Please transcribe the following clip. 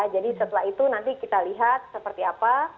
jadi setelah itu nanti kita lihat seperti apa